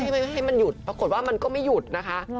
ให้มันหยุดปรากฏว่ามันก็ไม่หยุดนะคะ